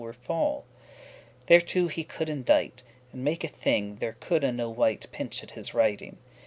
were fall. Thereto he could indite, and make a thing There coulde no wight *pinch at* his writing.